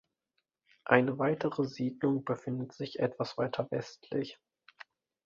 Eine weitere Siedlung befindet sich etwas weiter westlich.